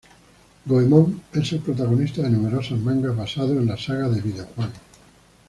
Goemon es el protagonista de numerosos mangas basados en la saga de videojuegos.